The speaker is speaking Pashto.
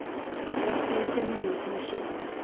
دښتې زیانمنې نشي.